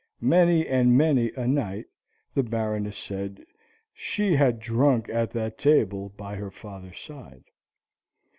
Many and many a night, the Baroness said, she had drunk at that table by her father's side.